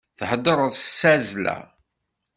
Theddṛeḍ s tazzla.